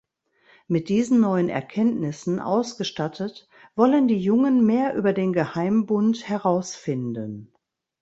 Mit diesen neuen Erkenntnissen ausgestattet wollen die Jungen mehr über den Geheimbund herausfinden.